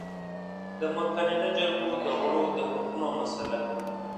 د مقننه جرګو د غړو د حقونو مسئله